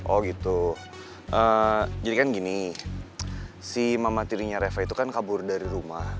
oh gitu jadi kan gini si mama tirinya reva itu kan kabur dari rumah